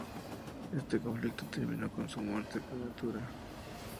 Este conflicto terminó con su muerte prematura.